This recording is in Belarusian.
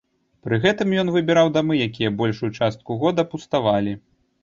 Пры гэтым ён выбіраў дамы, якія большую частку года пуставалі.